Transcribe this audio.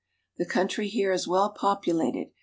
The coun try here is well populated.